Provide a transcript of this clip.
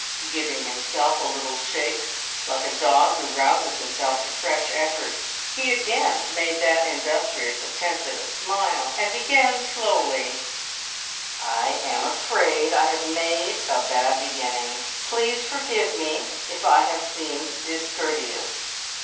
Giving himself a little shake, like a dog who rouses himself to fresh efforts, he again made that industrious attempt at a smile, and began slowly: "I am afraid I have made a bad beginning! Please forgive me if I have seemed discourteous.